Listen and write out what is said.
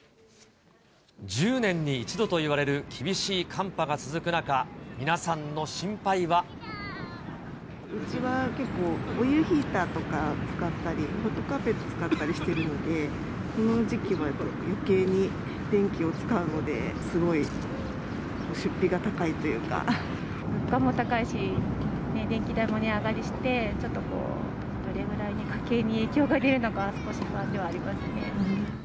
１０年に１度といわれる厳しうちは結構、オイルヒーターとか使ったり、ホットカーペット使ったりしてるので、この時期はよけいに電気を使うので、物価も高いし、電気代も値上がりして、ちょっとこう、どれくらい家計に影響が出るのか、少し不安ではありますね。